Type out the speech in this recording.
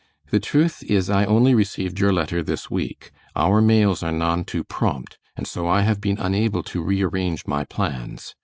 The truth is I only received your letter this week. Our mails are none too prompt, and so I have been unable to re arrange my plans.